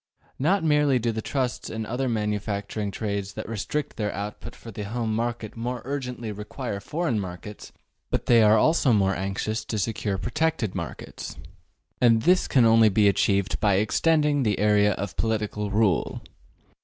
Not merely do the trusts and other manufacturing trades that restrict their output for the home market more urgently require foreign markets, but they are also more anxious to secure protected markets, and this can only be achieved by extending the area of political rule.